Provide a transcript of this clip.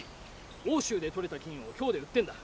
奥州で採れた金を京で売ってんだ。